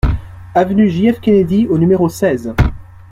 Avenue J F Kennedy au numéro seize